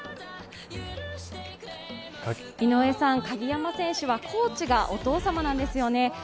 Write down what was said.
鍵山選手はコーチがお父様なんですよね。